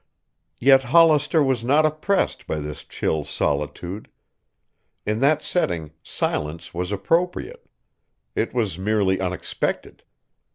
Yet Hollister was not oppressed by this chill solitude. In that setting, silence was appropriate. It was merely unexpected.